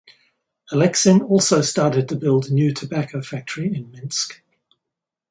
Aleksin also started to build new tobacco factory in Minsk.